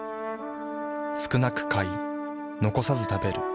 少なく買い残さず食べる。